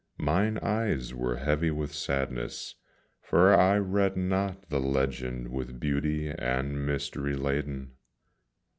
Mine eyes were heavy with sadness, For I read not yet the legend with beauty and mystery laden.